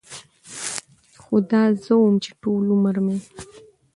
خو دا زه وم چې ټول عمر مې